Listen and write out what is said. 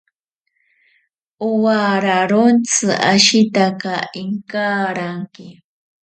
Owararontsi ashitaka inkaranke.